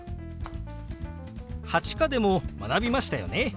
８課でも学びましたよね。